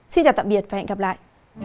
xin chào tạm biệt và hẹn gặp lại